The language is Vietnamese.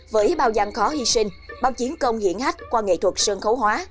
với bao gian khó hy sinh bao chiến công hiển hách qua nghệ thuật sân khấu hóa